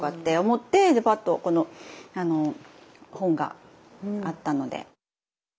でパッとこの本があったので。